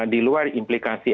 di luar implikasi